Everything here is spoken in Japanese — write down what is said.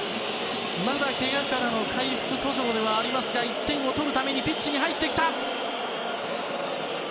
まだけがからの回復途上ではありますが１点を取るためにピッチに入ってきた！